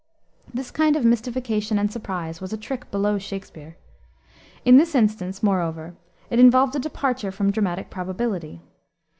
This kind of mystification and surprise was a trick below Shakspere. In this instance, moreover, it involved a departure from dramatic probability.